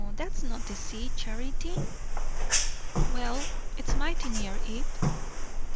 That's not the sea, Charity." "Well, it's mighty near it."